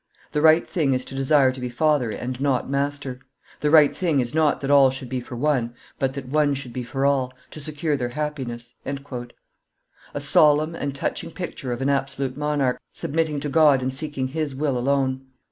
The right thing is to desire to be father and not master. The right thing is not that all should be for one, but that one should be for all, to secure their happiness." A solemn and touching picture of an absolute monarch, submitting to God and seeking His will alone.